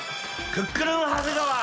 クックルン長谷川。